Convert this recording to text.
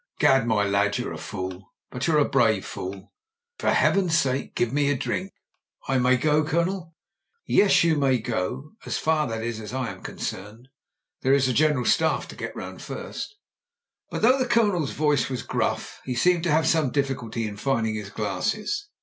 "Gad, my lad, you're a fool, but you're a brave fool ! For Heaven's sake, give me a drink." 'I may go, Colonel ?" 'Yes, you may go— as far, that is, as I am con cerned. There is the General Staff to get round first" But though the Colonel's voice was gruff, he seemed to have some difficulty in finding his glass.